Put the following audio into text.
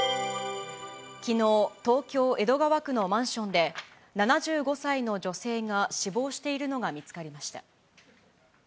きのう、東京・江戸川区のマンションで、７５歳の女性が死亡しているのが見つかりました。